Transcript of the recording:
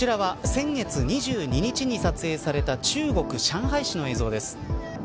こちらは、先月２２日に撮影された中国、上海市の映像です。